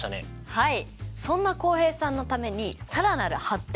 はい。